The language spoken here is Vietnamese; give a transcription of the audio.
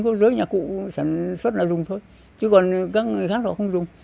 có giới nhà cụ sản xuất là dùng thôi chứ còn các người khác họ không dùng